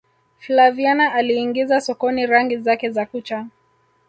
flaviana aliingiza sokoni rangi zake za kucha